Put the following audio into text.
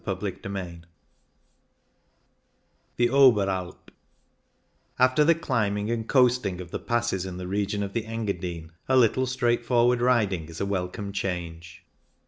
CHAPTER IX THE OBERALP After the climbing and coasting of the passes in the region of the Engadine a little straightforward riding is a welcome change.